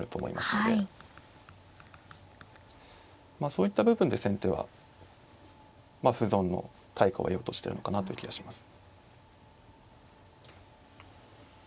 そういった部分で先手は歩損の対価を得ようとしてるのかなという気がします。